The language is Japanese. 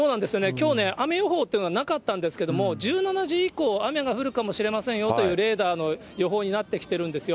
きょう、雨予報っていうのがなかったんですけれども、１７時以降、雨が降るかもしれませんよというレーダーの予報になってきているんですよ。